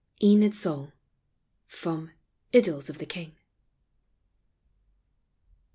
ENID'S SONG. FROM " IDYLS OF THE KING."